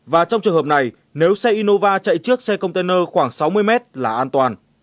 và trong trường hợp này nếu xe innova chạy trước xe container khoảng sáu mươi mét là an toàn